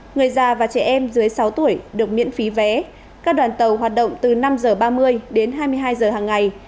người già và trẻ em dưới sáu tuổi được miễn phí vé các đoàn tàu hoạt động từ năm h ba mươi đến hai mươi hai h hàng ngày